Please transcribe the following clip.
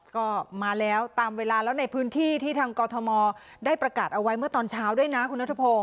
ก็มาแล้วตามเวลาแล้วในพื้นที่ที่ทางกอทมได้ประกาศเอาไว้เมื่อตอนเช้าด้วยนะคุณนัทพงศ